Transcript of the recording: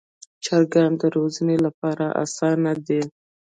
چرګان د روزنې لپاره اسانه دي.